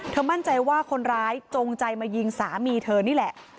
มั่นใจว่าคนร้ายจงใจมายิงสามีเธอนี่แหละ